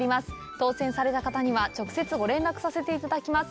当せんされた方には直接、ご連絡させていただきます。